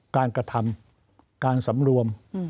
กระทำการสำรวม